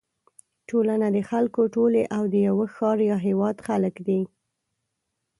ټولنه د خلکو ټولی او د یوه ښار یا هېواد خلک دي.